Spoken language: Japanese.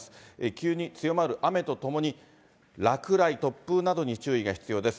急に強まる雨とともに、落雷、突風などに注意が必要です。